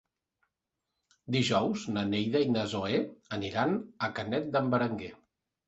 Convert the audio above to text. Dijous na Neida i na Zoè aniran a Canet d'en Berenguer.